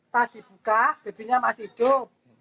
pas dibuka babinya masih hidup